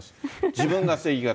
自分が正義型。